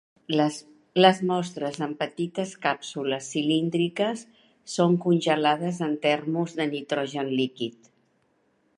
Les mostres en petites càpsules cilíndriques són congelades en termos de nitrogen líquid.